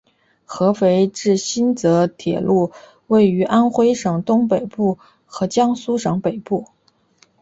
合肥至新沂铁路位于安徽省东北部和江苏省北部。